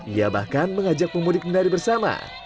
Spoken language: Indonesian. ia bahkan mengajak pemudik menari bersama